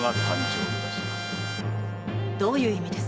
どういう意味です？